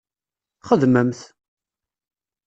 Xedmemt!